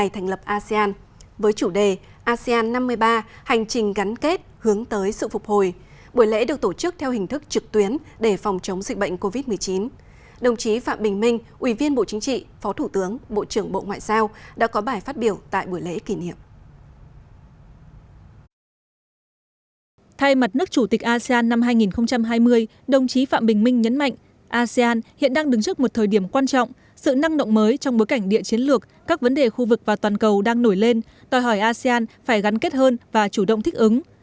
theo mặt nước chủ tịch asean năm hai nghìn hai mươi đồng chí phạm bình minh nhấn mạnh asean hiện đang đứng trước một thời điểm quan trọng sự năng động mới trong bối cảnh địa chiến lược các vấn đề khu vực và toàn cầu đang nổi lên tòi hỏi asean phải gắn kết hơn và chủ động thích ứng